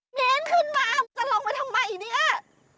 มิ้นขึ้นมาจะลงมาทำไมเนี่ย